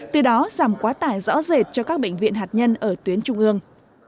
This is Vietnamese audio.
từ đó giảm quá tải rõ rệt cho các bệnh viện hạt nhân ở tuyến trung ương